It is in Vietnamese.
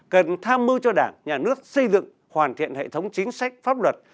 cần tham mưu cho đảng nhà nước xây dựng hoàn thiện hệ thống chính sách pháp luật